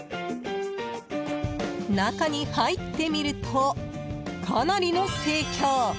中に入ってみると、かなりの盛況。